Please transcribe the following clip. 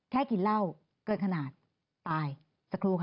กินเหล้าเกินขนาดตายสักครู่ค่ะ